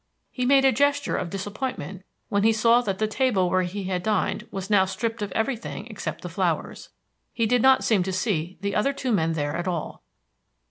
He made a gesture of disappointment when he saw that the table where he had dined was now stripped of everything except the flowers. He did not seem to see the other two men there at all.